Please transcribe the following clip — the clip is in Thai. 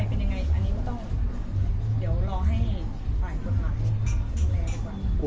เป็นยังไงอันนี้ก็ต้องเดี๋ยวรอให้ฝ่ายกฎหมายดูแลก่อน